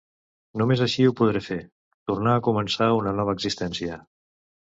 Només així ho podré fer, tornar a començar una nova existència.